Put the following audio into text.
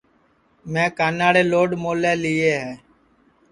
میں کاناڑے لوڈ مولے لِیئے ہے